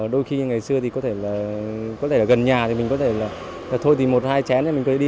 đôi khi ngày xưa thì có thể là gần nhà thì mình có thể là thôi thì một hai chén thì mình có thể đi